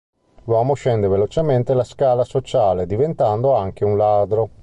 L'uomo scende velocemente la scala sociale, diventando anche un ladro.